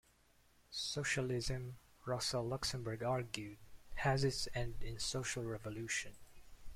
Socialism, Rosa Luxemburg argued, has its end in social revolution.